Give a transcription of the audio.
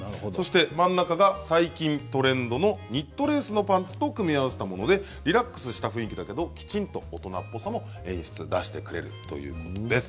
真ん中が、最近のトレンドのニットレースのパンツと組み合わせたものでリラックスした雰囲気だけれどきちんと大人っぽさも出してくれるということです。